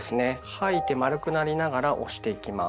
吐いて丸くなりながら押していきます。